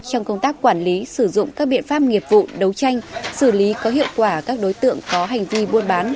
trong công tác quản lý sử dụng các biện pháp nghiệp vụ đấu tranh xử lý có hiệu quả các đối tượng có hành vi buôn bán